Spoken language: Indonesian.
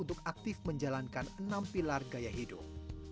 untuk aktif menjalankan enam pilar gaya hidup